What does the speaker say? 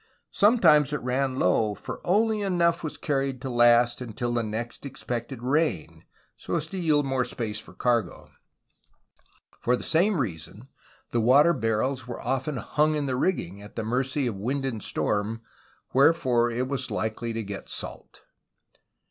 Sometimes, it ran low, for only 94 A HISTORY OF CALIFORNIA enough was carried to last until the next expected rain, so as to yield more space for cargo. For the same reason, the water barrels were often hung in the rigging, at the mercy of wind and storm, wherefore it was likely to get salt.